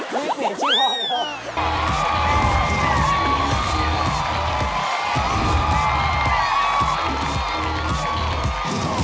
ซีอิ๊วไม่สูตรชื่อพ่อ